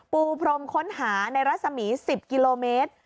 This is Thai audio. ปูพรมค้นหาในรัศมี๑๐กิโลเมตร